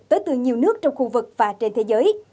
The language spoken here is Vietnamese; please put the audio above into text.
tới từ nhiều nước trong khu vực và trên thế giới